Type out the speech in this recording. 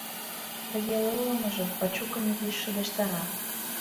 Тыге ойлымыжо Вачукым изиш шыдештара.